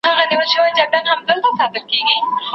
مثبت لید له ورځنیو ننګونو سره مقابله کي مرسته کوي.